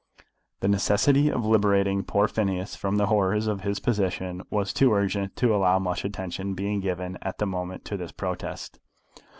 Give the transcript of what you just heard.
The necessity of liberating poor Phineas from the horrors of his position was too urgent to allow of much attention being given at the moment to this protest.